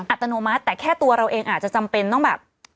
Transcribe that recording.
อัตโนมัติแต่แค่ตัวเราเองอาจจะจำเป็นต้องแบบ